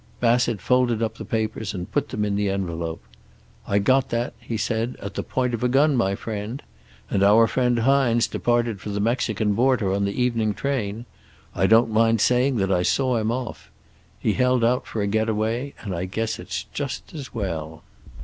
Bassett folded up the papers and put them in the envelope. "I got that," he said, "at the point of a gun, my friend. And our friend Hines departed for the Mexican border on the evening train. I don't mind saying that I saw him off. He held out for a get away, and I guess it's just as well."